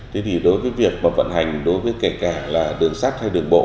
thế thì đối với việc mà vận hành đối với kể cả là đường sắt hay đường bộ